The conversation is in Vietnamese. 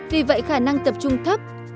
vì vậy khả năng tập trung thấp